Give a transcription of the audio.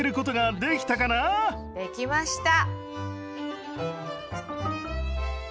できました。